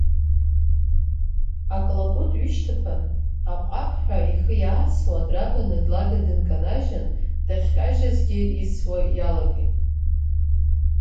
Аклакәт ҩышьҭыԥан аҟәақҳәа ихы иаасуа драбаны длага дынканажьын дахькажьызгьы исуа иалагеит.